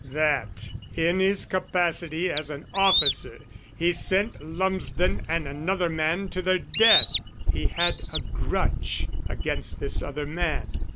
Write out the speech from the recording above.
That in his capacity as an officer he sent Lumsden and another man to their death. He had a grudge against this other man.